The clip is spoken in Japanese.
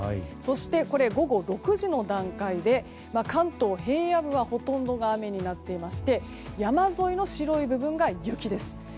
そして、午後６時の段階で関東平野部はほとんどが雨になりまして山沿いの白い部分が雪です。